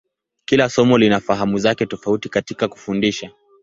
Kila somo lina fahamu zake tofauti katika kufundisha.